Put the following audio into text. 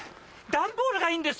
段ボールがいいんだ！